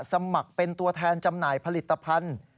สมัครเป็นตัวแทนจำหน่ายผลิตภัณฑ์